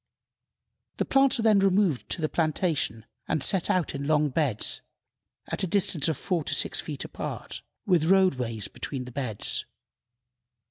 The plants are then removed to the plantation and set out in long beds, at a distance of four to six feet apart, with roadways between the beds.